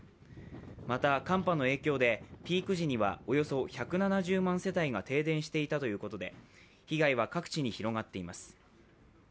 また寒波の影響でピーク時にはおよそ１７０万世帯が停電していたということで、被害は各地に広がっています。